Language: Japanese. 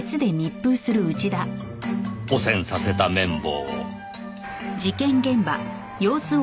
汚染させた綿棒を。